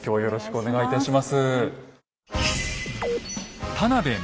よろしくお願いします。